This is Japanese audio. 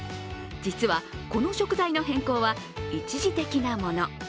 実は、この食材の変更は一時的なもの。